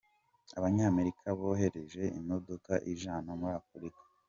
Abanyamerika bohereje imodoka ijana muri Afurika.